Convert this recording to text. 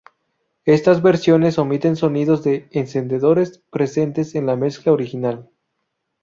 Estas versiones omiten sonidos de encendedores presentes en la mezcla original.